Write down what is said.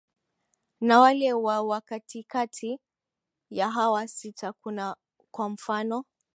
na wale wa wa katikati ya hawa sita kuna kwa mfano